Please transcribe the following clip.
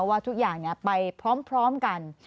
ว่าทุกอย่างไปพร้อมกัน